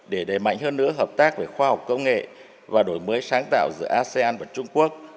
để đẩy mạnh hơn nữa hợp tác về khoa học công nghệ và đổi mới sáng tạo giữa asean và trung quốc